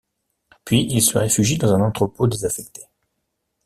Puis, ils se réfugient dans un entrepôt désaffecté.